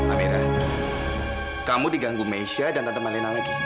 amira kamu diganggu meisha dan tante malina lagi